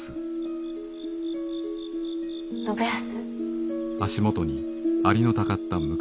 信康？